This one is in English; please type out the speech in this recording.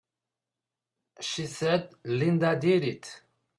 She said Linda did it!